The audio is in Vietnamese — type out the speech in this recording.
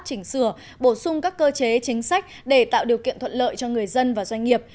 chỉnh sửa bổ sung các cơ chế chính sách để tạo điều kiện thuận lợi cho người dân và doanh nghiệp